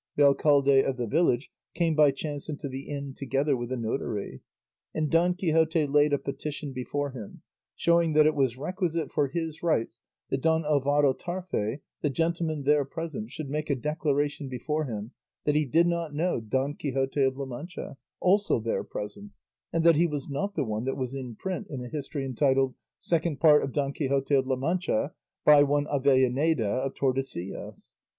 The alcalde of the village came by chance into the inn together with a notary, and Don Quixote laid a petition before him, showing that it was requisite for his rights that Don Alvaro Tarfe, the gentleman there present, should make a declaration before him that he did not know Don Quixote of La Mancha, also there present, and that he was not the one that was in print in a history entitled "Second Part of Don Quixote of La Mancha, by one Avellaneda of Tordesillas."